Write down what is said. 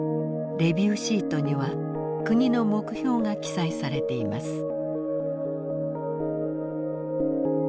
レビューシートには国の目標が記載されています。